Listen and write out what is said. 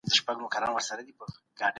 هغه په عملي سياست کې د اغېزمن رول خاوند و.